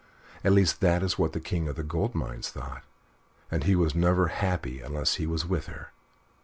At least that is what the King of the Gold Mines thought, and he was never happy unless he was with her.